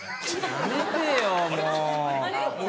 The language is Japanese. やめてよもう。